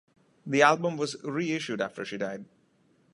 The album was reissued after she died.